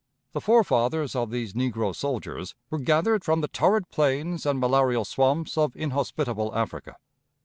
The forefathers of these negro soldiers were gathered from the torrid plains and malarial swamps of inhospitable Africa.